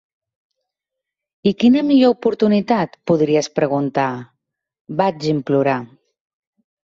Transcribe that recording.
"I quina millor oportunitat, podries preguntar?" Vaig implorar.